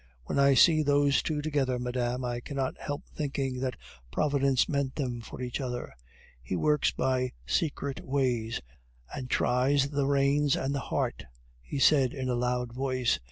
"When I see those two together, madame, I cannot help thinking that Providence meant them for each other; He works by secret ways, and tries the reins and the heart," he said in a loud voice.